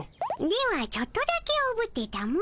ではちょっとだけおぶってたも。